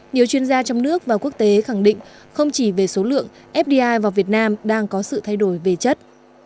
nhiều chuyên gia trong nước và quốc tế khẳng định không chỉ về số lượng fdi vào việt nam đang có sự thay đổi về chất